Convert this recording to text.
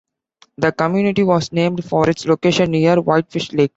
The community was named for its location near Whitefish Lake.